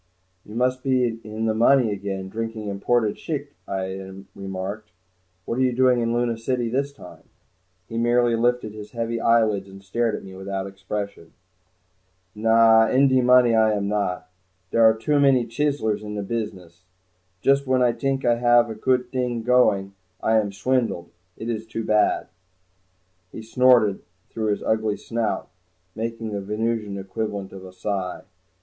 "You must be in the money again, drinking imported shchikh," I remarked. "What are you doing in Luna City this time?" He merely lifted his heavy eyelids and stared at me without expression. "Na, in de money I am not. Dere are too many chiselers in business. Just when I t'ink I haf a goot t'ing, I am shwindeled. It is too bad." He snorted through his ugly snout, making the Venusian equivalent of a sigh.